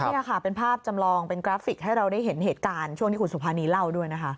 นี่ค่ะเป็นภาพจำลองเป็นกราฟิกให้เราได้เห็นเหตุการณ์ช่วงที่คุณสุภานีเล่าด้วยนะคะ